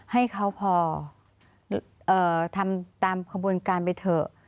ให้เขาพอทำตามขบวนการไปเถอะ